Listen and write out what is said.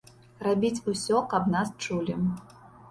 Рабіць усё, каб нас чулі.